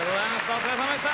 おつかれさまでした。